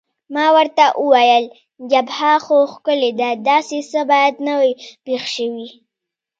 ما ورته وویل: جبهه خو ښکلې ده، داسې څه باید نه وای پېښ شوي.